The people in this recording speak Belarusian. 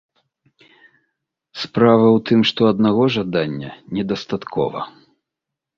Справа ў тым, што аднаго жадання не дастаткова.